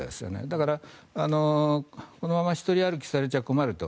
だから、このまま独り歩きされちゃ困ると。